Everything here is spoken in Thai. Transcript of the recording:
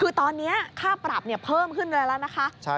คือตอนนี้ค่าปรับเพิ่มขึ้นแล้วนะคะ